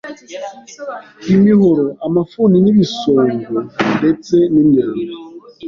imihoro, amafuni n’ibisongo ndetse n’imyambi